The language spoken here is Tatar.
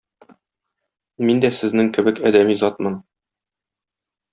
Мин дә сезнең кебек адәми затмын.